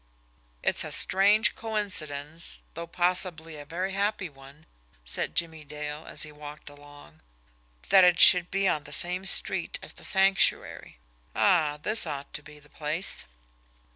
"It's a strange coincidence, though possibly a very happy one," said Jimmie Dale, as he walked along, "that it should be on the same street as the Sanctuary ah, this ought to be the place!"